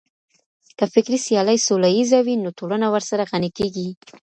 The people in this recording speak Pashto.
که فکري سيالي سوله ييزه وي نو ټولنه ورسره غني کېږي.